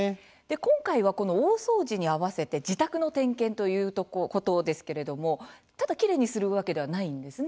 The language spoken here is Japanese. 今回は、この大掃除に合わせて自宅の点検ということですけれどもただ、きれいにするわけではないんですね？